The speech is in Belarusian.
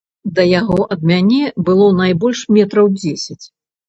Да яго ад мяне было найбольш метраў дзесяць.